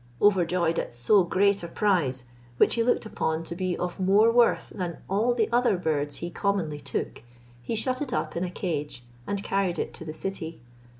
Overjoyed at so great a prize, which he looked upon to be of more worth than all the other birds he commonly took, he shut it up in a cage, and carried it to the city.